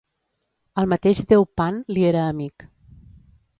El mateix déu Pan li era amic.